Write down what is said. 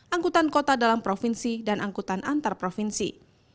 angkutan kota dalam provinsi dan angkutan antar provinsi